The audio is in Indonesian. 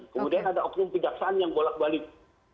kemudian ada oknum kejaksaan yang bolak balik